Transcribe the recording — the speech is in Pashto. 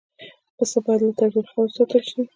پسه باید له تاوتریخوالي وساتل شي.